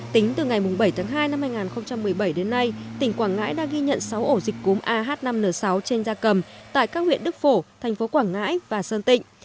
tính từ ngày bảy tháng hai năm hai nghìn một mươi bảy đến nay tỉnh quảng ngãi đã ghi nhận sáu ổ dịch cúm ah năm n sáu trên da cầm tại các huyện đức phổ thành phố quảng ngãi và sơn tịnh